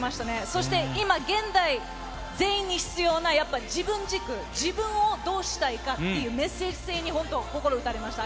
そして今、現代、全員に必要な、やっぱ、自分軸、自分をどうしたいかっていうメッセージ性に本当、心打たれました。